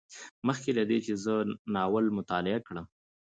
مخکې له دې چې زه ناول مطالعه کړم